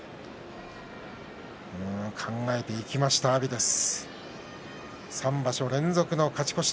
考えていきました阿炎です。